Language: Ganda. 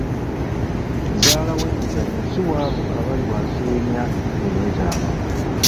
Zzaala w'emizannyo si waabo abali wansi w'emyaka ekkumi n'etaano.